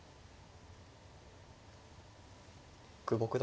久保九段